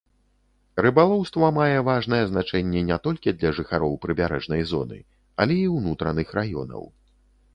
Рыбалоўства мае важнае значэнне не толькі для жыхароў прыбярэжнай зоны, але і ўнутраных раёнаў.